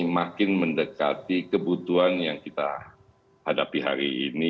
makin mendekati kebutuhan yang kita hadapi hari ini